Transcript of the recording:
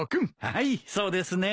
はいそうですね。